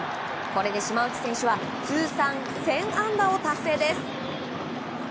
これで島内選手は通算１０００安打を達成です。